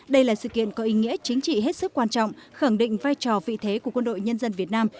đây là sự kiện có ý nghĩa chính trị hết sức quan trọng khẳng định vai trò vị thế của quân đội nhân dân việt nam